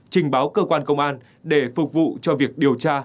trình báo cơ quan công an để phục vụ cho việc điều tra